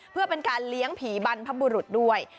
เพื่อเป็นการเลี้ยงผีบรรพบุรุษด้วย